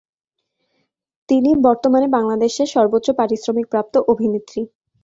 তিনি বর্তমানে বাংলাদেশের সর্বোচ্চ পারিশ্রমিক প্রাপ্ত অভিনেত্রী।